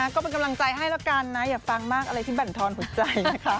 ก็เป็นกำลังใจให้แล้วกันนะอย่าฟังมากอะไรที่บรรทอนหัวใจนะคะ